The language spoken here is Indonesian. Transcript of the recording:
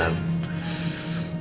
selalu doain aku bisa